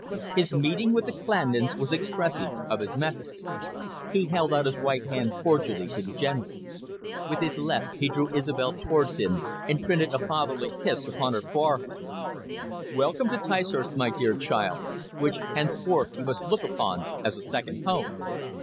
His meeting with the Clandons was expressive of his methods. He held out his right hand cordially to the General. With his left he drew Isobel towards him, and printed a fatherly kiss upon her forehead. "Welcome to Ticehurst, my dear child, which henceforth you must look upon as a second home.